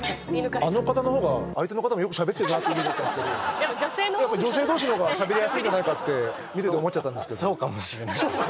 あの方のほうが相手の方もよく喋ってるなって見てたんですけど女性同士のほうが喋りやすいんじゃないかって見てて思っちゃったんですけど「そうかもしれない」